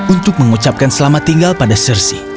untuk mengucapkan selamat tinggal pada sercy